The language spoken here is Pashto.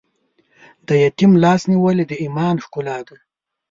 د یتیم لاس نیول د ایمان ښکلا ده.